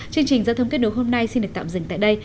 chương trình giao thông kết nối hôm nay xin được tạm dừng tại đây